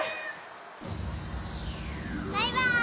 バイバーイ！